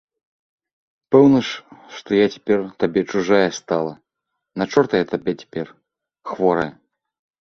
Пэўна ж, што я цяпер табе чужая стала, на чорта я табе цяпер, хворая.